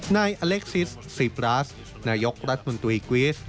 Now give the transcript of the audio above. นายอเล็กซิสซีปราสนายกรัฐมนตรีกวิส